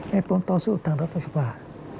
ให้ผมต่อสู้กับทางรัฐสภา